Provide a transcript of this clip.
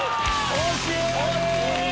惜しい！